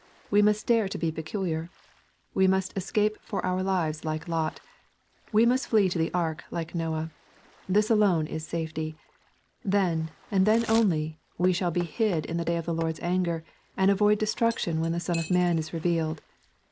We must dare to be peculiar. We must es cape for our lives like Lot. We must flee to the ark like Noah. This alone is safety. Then, and then only, we shall be hid in the day of the Lord's anger, and avoid destruction when the Son of man is revealed.